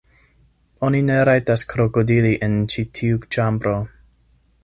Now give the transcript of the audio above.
Oni ne rajtas krokodili en ĉi tiu ĉambro.